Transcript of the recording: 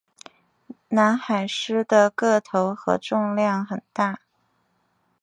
南海狮的个头和重量很大。